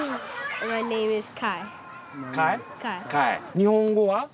日本語は？